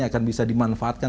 akan bisa dimanfaatkan